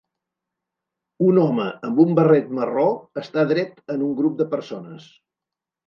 Un home amb un barret marró està dret en un grup de persones.